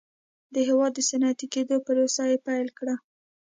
د هېواد د صنعتي کېدو پروسه یې پیل کړه.